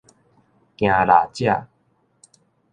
行獵者